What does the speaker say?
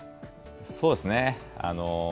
そうですね。